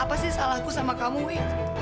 apa sih salah aku sama kamu wi